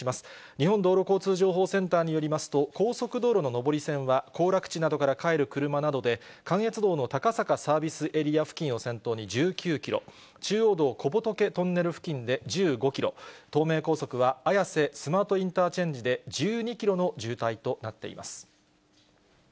日本道路交通情報センターによりますと、高速道路の上り線は、行楽地などから帰る車などで、関越道の高坂サービスエリア付近を先頭に１９キロ、中央道小仏トンネル付近で１５キロ、東名高速は綾瀬スマートインターチェンジで１２キロの渋滞となっています。